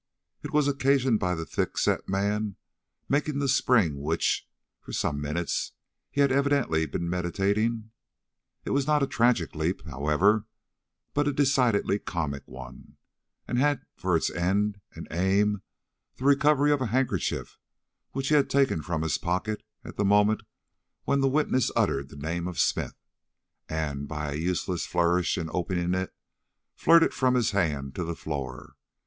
It was occasioned by the thick set man making the spring which, for some minutes, he had evidently been meditating. It was not a tragic leap, however, but a decidedly comic one, and had for its end and aim the recovery of a handkerchief which he had taken from his pocket at the moment when the witness uttered the name of Smith, and, by a useless flourish in opening it, flirted from his hand to the floor.